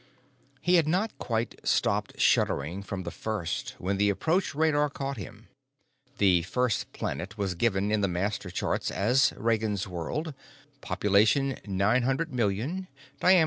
He had not quite stopped shuddering from the first when the approach radar caught him. The first planet was given in the master charts as "Ragansworld. Pop. 900,000,000; diam.